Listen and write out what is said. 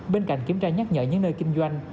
bên cạnh kiểm tra nhắc nhở những nơi kinh doanh